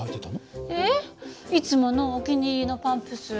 えっいつものお気に入りのパンプス。